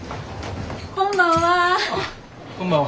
こんばんは。